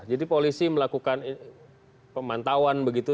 jadi polisi melakukan pemantauan begitu